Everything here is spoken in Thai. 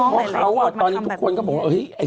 เพราะตอนนี้ทุกคนก็บอกว่า